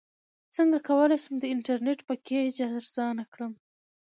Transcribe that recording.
څنګه کولی شم د انټرنیټ پیکج ارزانه کړم